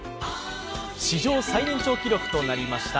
史上最年長記録となりました